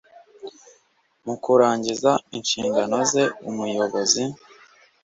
mu kurangiza inshingano ze umuyobozi